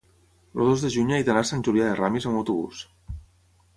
el dos de juny he d'anar a Sant Julià de Ramis amb autobús.